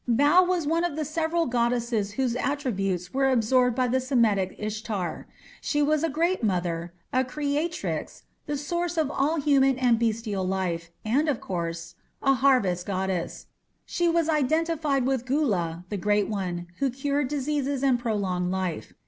Bau was one of the several goddesses whose attributes were absorbed by the Semitic Ishtar. She was a "Great Mother", a creatrix, the source of all human and bestial life, and, of course, a harvest goddess. She was identified with Gula, "the great one", who cured diseases and prolonged life.